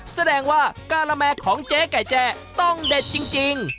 แสดงว่าการาแมของเจ๊ไก่แจ้ต้องเด็ดจริง